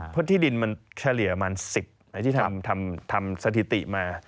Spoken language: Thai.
เพราะที่ดินมันเฉลี่ยประมาณ๑๐ไอ้ที่ทำสถิติมา